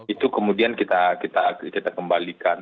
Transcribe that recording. itu kemudian kita kembalikan